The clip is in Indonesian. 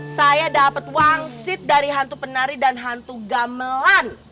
saya dapat wangsit dari hantu penari dan hantu gamelan